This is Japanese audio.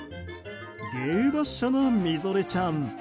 芸達者な、みぞれちゃん。